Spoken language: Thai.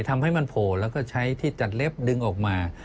ทำให้มันโผล่แล้วก็ใช้ที่จัดเล็บดึงออกมา